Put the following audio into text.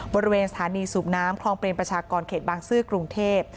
บริเวณสถานีสูบน้ำคลองเปรมประชากรเขตบางซื่อกรุงเทพ